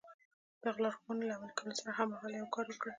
د دغو لارښوونو له عملي کولو سره هممهاله يو کار وکړئ.